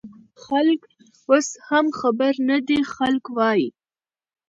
خلک اوس هم خبر نه دي، خلک وايي